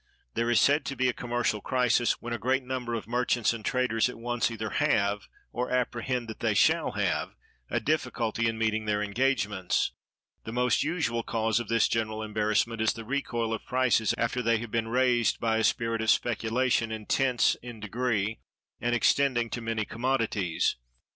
There is said to be a commercial crisis when a great number of merchants and traders at once either have, or apprehend that they shall have, a difficulty in meeting their engagements. The most usual cause of this general embarrassment is the recoil of prices after they have been raised by a spirit of speculation, intense in degree, and extending to many commodities.